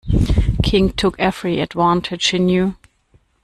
King took every advantage he knew.